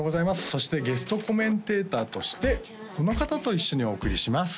そしてゲストコメンテーターとしてこの方と一緒にお送りします